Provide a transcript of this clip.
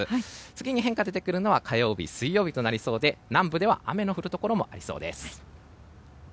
次に変化が出てくるのは火曜日、水曜日となりそうで南部では雨の降るところもありそうです。